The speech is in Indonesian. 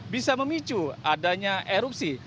bisa memicu adanya erupsi